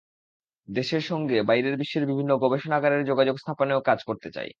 দেশের সঙ্গে বাইরের বিশ্বের বিভিন্ন গবেষণাগারের যোগাযোগ স্থাপনেও কাজ করতে চাই।